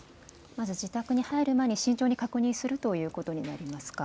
まず自宅に入る前に慎重に確認するということになりますか。